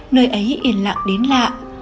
nơi ấy yên lặng đến lạ